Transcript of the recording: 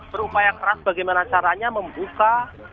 berupaya keras bagaimana caranya membuka